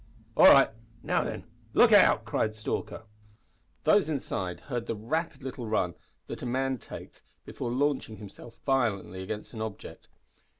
"All right. Now then, look out!" cried Stalker. Those inside heard the rapid little run that a man takes before launching himself violently against an object.